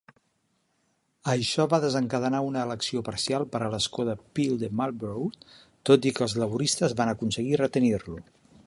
Això va desencadenar una elecció parcial per a l'escó de Peel de Marlborough, tot i que els laboristes van aconseguir retenir-lo.